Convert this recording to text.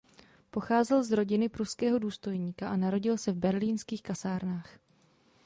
Pocházel z rodiny pruského důstojníka a narodil se v berlínských kasárnách.